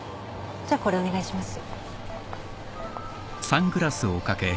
じゃあこれお願いします。